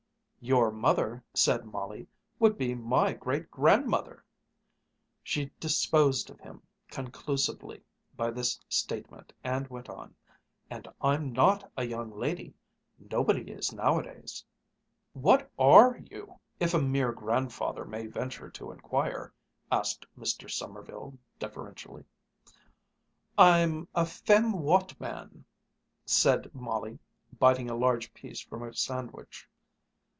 "Your mother," said Molly, "would be my great grandmother!" She disposed of him conclusively by this statement and went on: "And I'm not a young lady. Nobody is nowadays." "What are you, if a mere grandfather may venture to inquire?" asked Mr. Sommerville deferentially. "I'm a femme watt man" said Molly, biting a large piece from a sandwich.